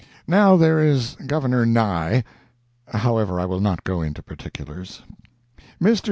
Now there is Governor Nye—however, I will not go into particulars. Mr.